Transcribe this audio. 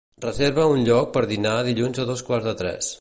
Reserva lloc per dinar dilluns a dos quarts de tres.